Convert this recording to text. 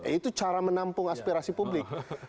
itu cara menampung aspirasi publik